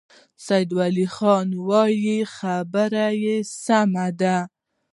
سيدال خان وويل: خبره يې سمه ده.